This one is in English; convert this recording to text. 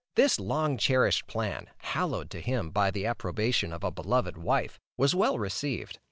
This long cherished plan, hallowed to him by the approbation of a beloved wife, was well received.